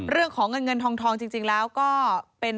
เผื่อเขายังไม่ได้งาน